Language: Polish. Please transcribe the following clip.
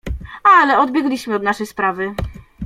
"Ale odbiegliśmy od naszej sprawy."